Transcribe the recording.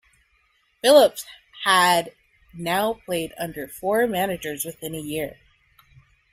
Phillips had now played under four managers within a year.